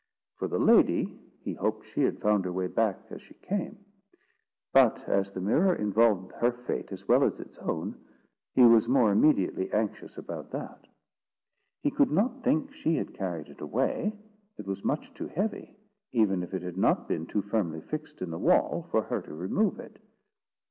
For the lady, he hoped she had found her way back as she came; but as the mirror involved her fate with its own, he was more immediately anxious about that. He could not think she had carried it away. It was much too heavy, even if it had not been too firmly fixed in the wall, for her to remove it.